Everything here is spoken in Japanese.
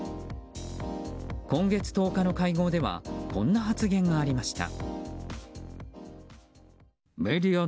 今月１０日の会合ではこんな発言がありました。